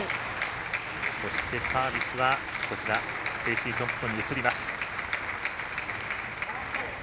そして、サービスはフェイシートンプソンに移ります。